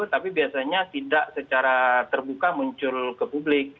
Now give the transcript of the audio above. tapi biasanya tidak secara terbuka muncul ke publik